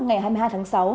ngày hai mươi hai tháng sáu